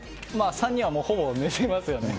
３人はほぼ寝てますよね。